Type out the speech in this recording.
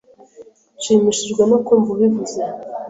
Nshimishijwe no kumva ubivuze.